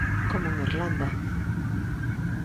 Como en Irlanda!